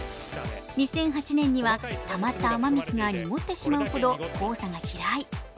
２００８年にはたまった雨水が濁ってしまうほど黄砂が飛来。